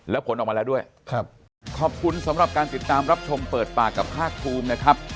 แล้วผลออกมาแล้วด้วยครับขอบคุณสำหรับการติดตามรับชมเปิดปากกับภาคภูมินะครับ